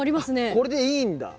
これでいいんだ。